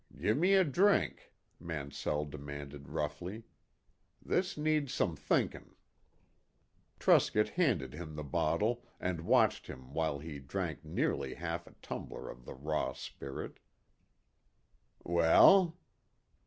"Give me a drink," Mansell demanded roughly. "This needs some thinkin'." Truscott handed him the bottle, and watched him while he drank nearly half a tumbler of the raw spirit. "Well?"